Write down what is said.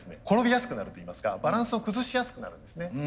転びやすくなるといいますかバランスを崩しやすくなるんですね。